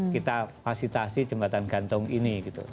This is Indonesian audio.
kita fasilitasi jembatan gantung ini